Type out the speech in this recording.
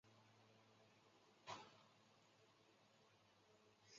邬励德也是香港会的会员。